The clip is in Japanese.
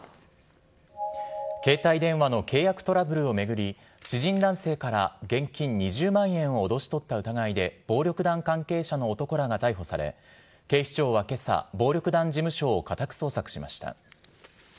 携帯電話の契約トラブルを巡り、知人男性から現金２０万円を脅し取った疑いで、暴力団関係者の男らが逮捕され、警視庁はけさ、暴力団事務所を家宅捜索しました。